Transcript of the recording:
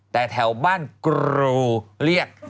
แต่แถวบ้านกรูเรียก